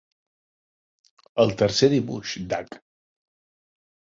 El tercer dibuix, Duck!